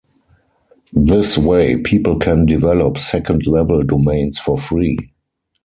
This way people can develop second-level domains for free.